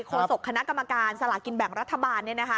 โศกคณะกรรมการสลากินแบ่งรัฐบาล